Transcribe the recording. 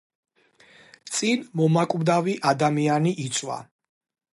წინ მომაკვდავი ადამიანი იწვა.